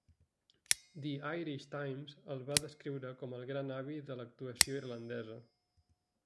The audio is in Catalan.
"The Irish Times" el va descriure com el "gran avi de l'actuació irlandesa".